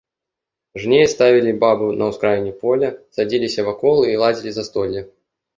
Жнеі ставілі бабу на ўскраіне поля, садзіліся вакол і ладзілі застолле.